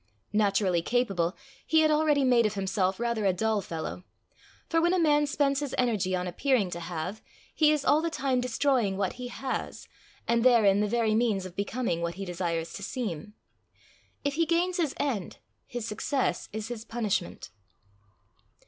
Naturally capable, he had already made of himself rather a dull fellow; for when a man spends his energy on appearing to have, he is all the time destroying what he has, and therein the very means of becoming what he desires to seem. If he gains his end his success is his punishment.